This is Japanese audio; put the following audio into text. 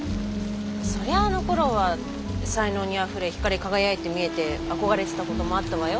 そりゃあのころは才能にあふれ光り輝いて見えて憧れてたこともあったわよ。